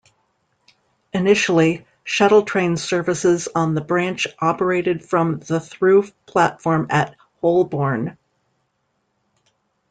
Initially, shuttle train services on the branch operated from the through platform at Holborn.